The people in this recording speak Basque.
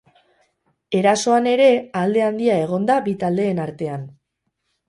Erasoan ere, alde handia egon da bi taldeen artean.